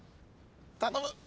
頼む。